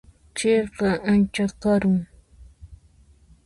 Chayqa ancha karun.